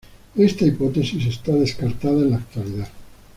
Esta hipótesis está descartada en la actualidad.